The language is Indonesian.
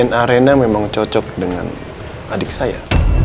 dan hasilnya dna rena memang cocok dengan adik saya